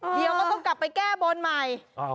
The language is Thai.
เดี๋ยวก็ต้องกลับไปแก้บนใหม่